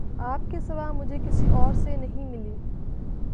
آپ کے سوا مجھے کسی اور سے نہیں ملی